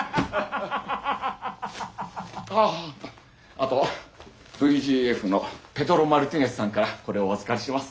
あとＶＧＦのペドロ・マルティネスさんからこれをお預かりしてます。